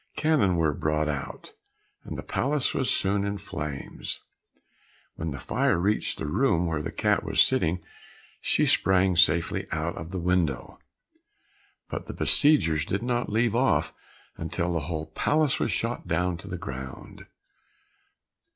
Cannon were brought out, and the palace was soon in flames. When the fire reached the room where the cat was sitting, she sprang safely out of the window; but the besiegers did not leave off until the whole palace was shot down to the ground.